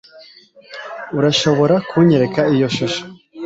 urashobora kunyereka iyo shusho